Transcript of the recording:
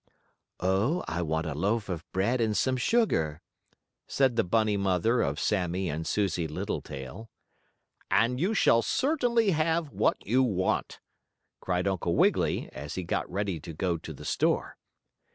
"Oh, I want a loaf of bread and some sugar," said the bunny mother of Sammie and Susie Littletail. "And you shall certainly have what you want!" cried Uncle Wiggily, as he got ready to go to the store.